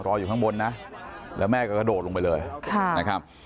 อยู่ข้างบนนะแล้วแม่ก็กระโดดลงไปเลยนะครับ